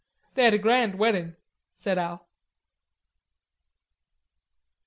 They had a grand wedding," said Al.